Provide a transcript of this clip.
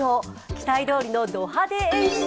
期待どおりのド派手演出。